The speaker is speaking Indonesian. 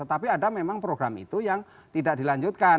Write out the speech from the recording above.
tetapi ada memang program itu yang tidak dilanjutkan